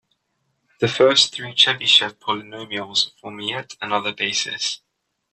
The first three Chebyshev polynomials form yet another basis.